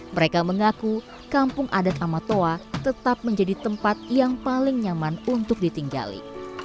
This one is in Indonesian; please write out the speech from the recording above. mereka mengaku kampung adat amatoa tetap menjadi tempat yang paling nyaman untuk ditinggali